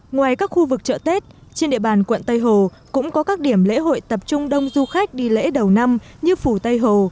ngoài các khu vực chợ tết trên địa bàn quận tây hồ cũng có các điểm lễ hội tập trung đông du khách đi lễ đầu năm như phủ tây hồ